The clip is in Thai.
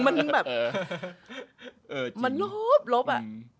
มันแบบมันลบอ่ะ